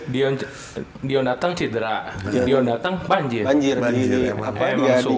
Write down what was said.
dion dion datang cedra dion datang banjir banjir